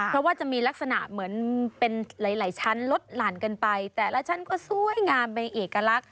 เพราะว่าจะมีลักษณะเหมือนเป็นหลายชั้นลดหลั่นกันไปแต่ละชั้นก็สวยงามเป็นเอกลักษณ